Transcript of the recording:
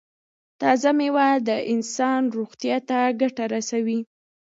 تازه میوه د انسان روغتیا ته ګټه رسوي.